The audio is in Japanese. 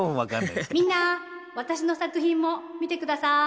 みんな私の作品も見て下さい。